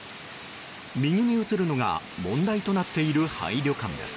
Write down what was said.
右に映るのが問題となっている廃旅館です。